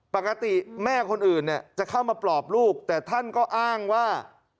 ปกติแม่คนอื่นเนี่ยจะเข้ามาปลอบลูกแต่ท่านก็อ้างว่า